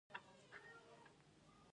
سنسکریت او هندي ژبو اصطلاح ده؛